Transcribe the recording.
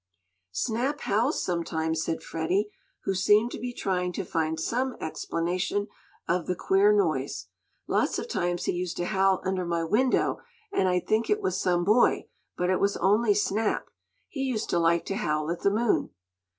"Snap howls sometimes," said Freddie, who seemed to be trying to find some explanation of the queer noise. "Lots of times he used to howl under my window, and I'd think it was some boy, but it was only Snap. He used to like to howl at the moon."